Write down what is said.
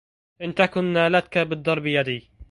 إن تكن نالتك بالضرب يدي